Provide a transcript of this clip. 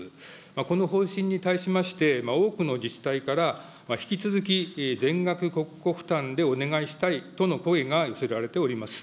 この方針に対しまして、多くの自治体から、引き続き全額国庫負担でお願いしたいとの声が寄せられております。